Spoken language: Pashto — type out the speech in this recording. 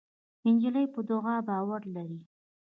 نجلۍ په دعا باور لري.